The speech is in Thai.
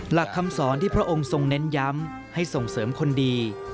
หลักคำสอนที่พระองค์ทรงเน้นย้ำให้ส่งเสริมคนดี